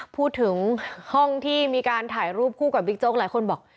พูดถึงห้องที่มีการถ่ายรูปคู่กับบิ๊กโจ๊กหลายคนบอก